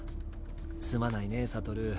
すまないね悟。